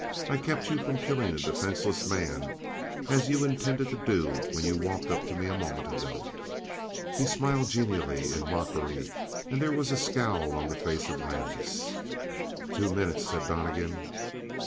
I kept you from killing a defenseless man as you intended to do when you walked up to me a moment ago." He smiled genially in mockery, and there was a scowl on the face of Landis. "Two minutes," said Donnegan.